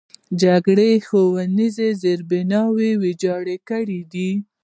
جګړو ښوونیز زیربناوې ویجاړې کړي دي.